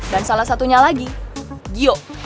dan salah satunya lagi gio